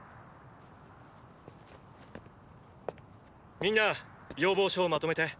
みんな要望書をまとめて。